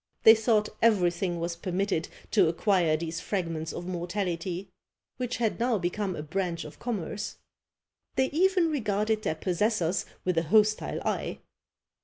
They thought everything was permitted to acquire these fragments of mortality, which had now become a branch of commerce. They even regarded their possessors with an hostile eye.